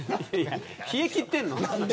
冷え切ってるの。